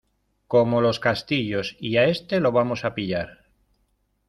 como los castillos. y a este lo vamos a pillar .